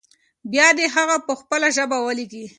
بيا دې هغه په خپله ژبه ولیکي.